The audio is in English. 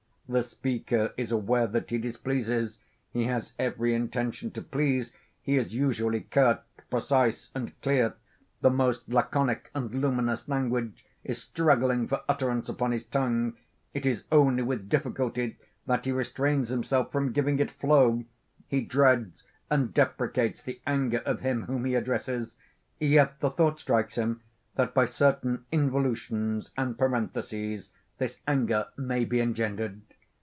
The speaker is aware that he displeases; he has every intention to please, he is usually curt, precise, and clear; the most laconic and luminous language is struggling for utterance upon his tongue; it is only with difficulty that he restrains himself from giving it flow; he dreads and deprecates the anger of him whom he addresses; yet, the thought strikes him, that by certain involutions and parentheses this anger may be engendered.